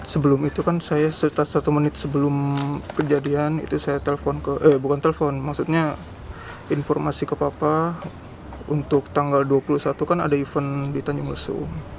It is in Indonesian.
sebelum itu kan saya setelah satu menit sebelum kejadian itu saya telepon eh bukan telepon maksudnya informasi ke papa untuk tanggal dua puluh satu kan ada event di tanjung lesu